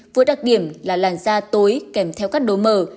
với đặc điểm là làn da tối kèm theo các đố mờ